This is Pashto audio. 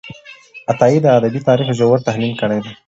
عطايي د ادبي تاریخ ژور تحلیل کړی دی.